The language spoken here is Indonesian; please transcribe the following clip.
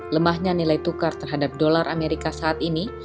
lemahnya nilai tukar terhadap dolar amerika saat ini